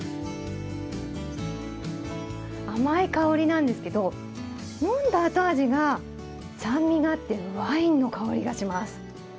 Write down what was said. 甘い香りなんですけど飲んだ後味が酸味があってワインの香りがします。